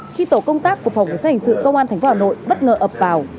khi tổ công tác của phòng cảnh sát hành sự công an tp hà nội bất ngờ ập vào